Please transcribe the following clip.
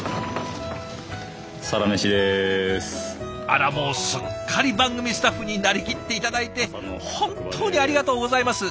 あらもうすっかり番組スタッフになりきって頂いて本当にありがとうございます。